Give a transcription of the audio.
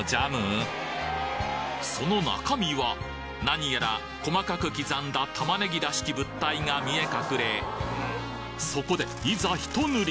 その中身は何やら細かく刻んだ玉ねぎらしき物体が見え隠れそこでいざひと塗り！